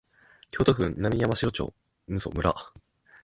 京都府南山城村